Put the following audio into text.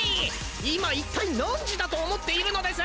今いったい何時だと思っているのです！